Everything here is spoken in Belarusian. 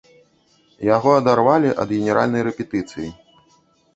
Яго адарвалі ад генеральнай рэпетыцыі.